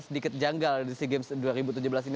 sedikit janggal di sea games dua ribu tujuh belas ini